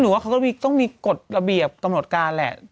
ว่าเขาก็ต้องมีกฎระเบียบกำหนดการแหละ